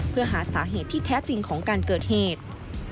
เพื่อหาสาเหตุที่แท้จริงของการเกิดเหตุ